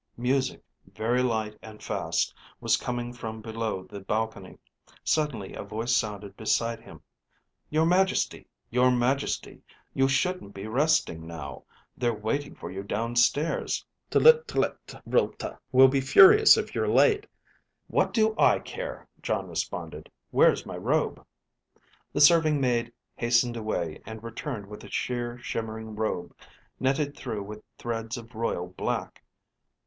Music, very light and fast, was coming from below the balcony. Suddenly a voice sounded beside him: "Your Majesty, your Majesty! You shouldn't be resting now. They're waiting for you downstairs. Tltltrlte will be furious if you're late." "What do I care?" Jon responded. "Where's my robe?" The serving maid hastened away and returned with a sheer, shimmering robe, netted through with threads of royal black.